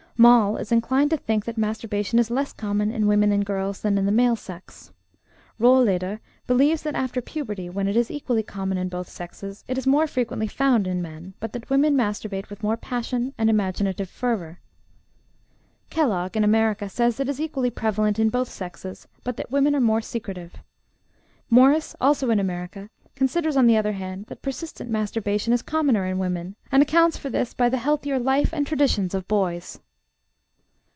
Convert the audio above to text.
Moll is inclined to think that masturbation is less common in women and girls than in the male sex. Rohleder believes that after puberty, when it is equally common in both sexes, it is more frequently found in men, but that women masturbate with more passion and imaginative fervor. Kellogg, in America, says it is equally prevalent in both sexes, but that women are more secretive. Morris, also in America, considers, on the other hand, that persistent masturbation is commoner in women, and accounts for this by the healthier life and traditions of boys.